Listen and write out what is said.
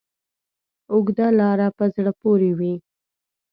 اوږده لاره په زړه پورې وي.